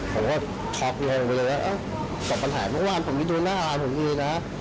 ผมก็ขอบคุณภาคผมเลยว่าจอบปัญหาเมื่อวานผมมีตัวหน้าอาหารผมมีนะ